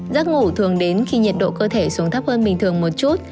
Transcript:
giấc ngủ thường đến khi nhiệt độ cơ thể xuống thấp hơn bình thường một chút